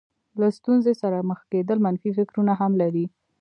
له ستونزې سره مخ کېدل منفي فکرونه هم لري.